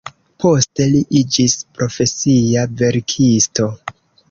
Poste li iĝis profesia verkisto.